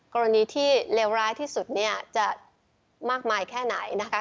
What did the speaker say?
กรณีที่เลวร้ายที่สุดเนี่ยจะมากมายแค่ไหนนะคะ